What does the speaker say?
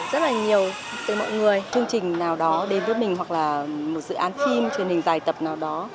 rất là nhiều từ mọi người chương trình nào đó đến với mình hoặc là một dự án phim truyền hình dài tập nào đó